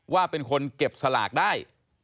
ว่าเป็นคนเก็บสลากได้